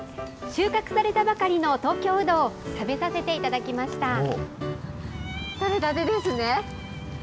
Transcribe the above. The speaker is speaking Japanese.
収穫されたばかりの東京うどを食べさせていただきました。